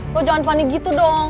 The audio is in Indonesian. lo jangan panik gitu dong